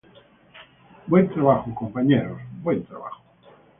Buen trabajo, compañeros. Buen trabajo.